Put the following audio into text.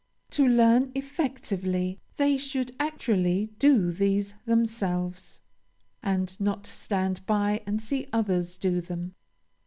To learn effectually, they should actually do these themselves, and not stand by and see others do them.